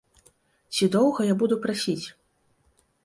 Ці доўга я буду прасіць?